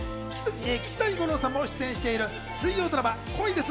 岸谷五朗さんも出演している水曜ドラマ『恋です！